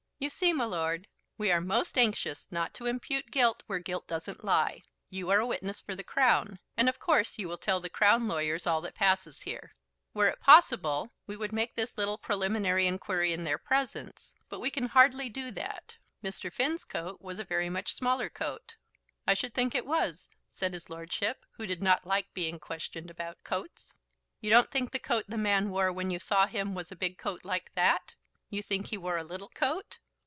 You see, my lord, we are most anxious not to impute guilt where guilt doesn't lie. You are a witness for the Crown, and, of course, you will tell the Crown lawyers all that passes here. Were it possible, we would make this little preliminary inquiry in their presence; but we can hardly do that. Mr. Finn's coat was a very much smaller coat." "I should think it was," said his lordship, who did not like being questioned about coats. "You don't think the coat the man wore when you saw him was a big coat like that? You think he wore a little coat?"